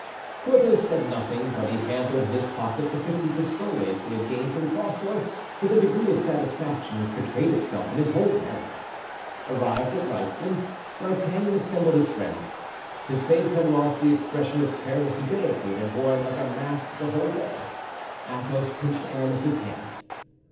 Porthos said nothing, but he handled in his pocket the fifty pistoles he had gained from Groslow with a degree of satisfaction which betrayed itself in his whole bearing. Arrived at Ryston, D'Artagnan assembled his friends. His face had lost the expression of careless gayety it had worn like a mask the whole day. Athos pinched Aramis's hand.